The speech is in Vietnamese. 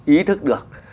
ý thức được